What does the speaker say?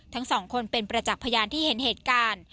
ทั้งสองคนเป็นประจักษ์พยานที่เห็นเหตุการณ์